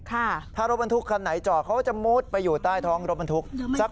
ถ้ารถบรรทุกคันไหนจอดเขาก็จะมุดไปอยู่ใต้ท้องรถบรรทุก